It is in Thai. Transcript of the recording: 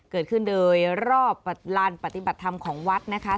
เกิดขึ้นโดยรอบลานปฏิบัติธรรมของวัดนะคะ